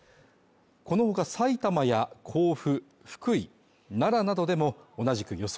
このほかさいたまや甲府、福井奈良などでも同じく予想